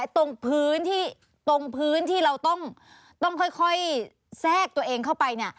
ตรงพื้นที่เราต้องค่อยแทรกตัวเองเข้าไป